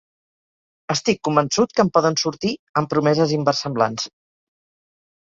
Estic convençut que en poden sortir, amb promeses inversemblants.